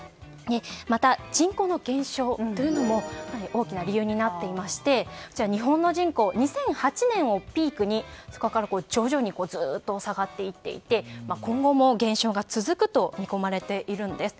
また、人口の減少も大きな理由になっていまして日本の人口２００８年をピークに徐々にずっと下がっていっていて今後も減少が続くとみこまれているんです。